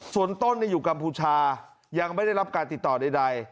ส่วนต้นอยู่กัมพูชายังไม่ได้รับการติดต่อใด